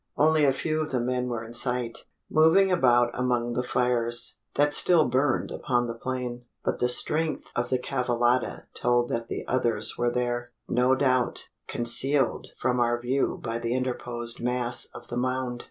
Only a few of the men were in sight moving about among the fires, that still burned upon the plain; but the strength of the cavallada told that the others were there no doubt, concealed from our view by the interposed mass of the mound.